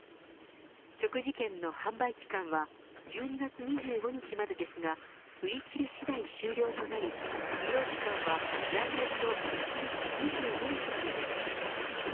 食事券の販売期間は１２月２５日までですが売り切れ次第終了となり利用期間は来年の１月２５日までです。